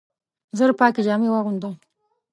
ژر پاکي جامې واغونده !